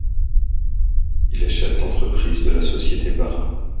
Il est chef d'entreprise de la société Bara.